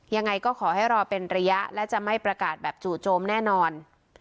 ยังไงก็ขอให้รอเป็นระยะและจะไม่ประกาศแบบจู่โจมแน่นอน